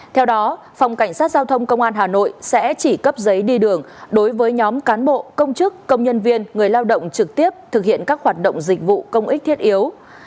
theo đó phòng cảnh sát giao thông công an hà nội sẽ chỉ cấp giấy đi đường đối với nhóm cán bộ công chức công nhân viên người lao động trực tiếp thực hiện các hoạt động dịch vụ công ích thiết yếu